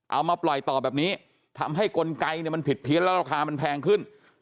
เอามาปล่อยต่อแบบนี้ทำให้กลไกเนี่ยมันผิดเพี้ยนแล้วราคามันแพงขึ้น